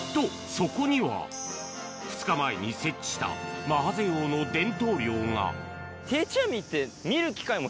そこには２日前に設置したマハゼ用の伝統漁がないね。